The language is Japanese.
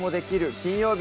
金曜日」